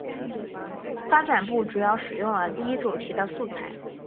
发展部主要使用了第一主题的素材。